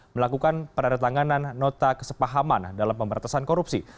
melakukan peradatanan nota kesepahaman dalam pemberatasan korupsi